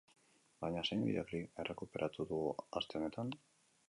Baina zein bideoklip errekuperatuko dugu aste honetan?